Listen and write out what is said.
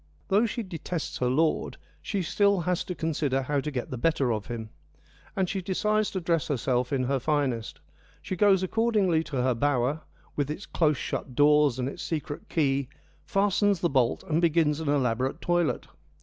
Though she detests her lord, she still has to con sider how to get the better of him, and she decides to dress herself in her finest. She goes accordingly to her bower, with its close shut doors and its secret key, fastens the bolt, and begins an elaborate toilet.